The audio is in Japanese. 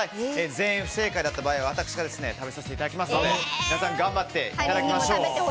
全員不正解だった場合は私が食べさせていただきますので皆さん頑張っていただきましょう。